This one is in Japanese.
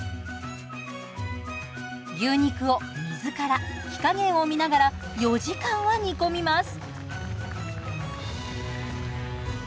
牛肉を水から火加減を見ながら４時間は煮込みます。